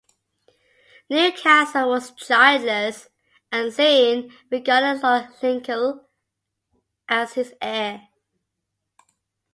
Newcastle was childless, and soon regarded Lord Lincoln as his heir.